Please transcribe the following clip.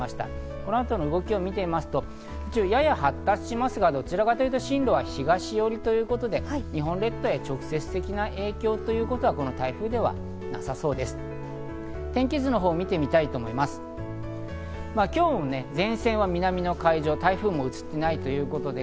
この後の動きを見てみますと、やや発達しますがどちらかというと進路は東寄り、日本列島へ直接的な影響ということはこの台風ではなさそうです。